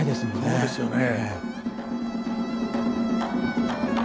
そうですよね。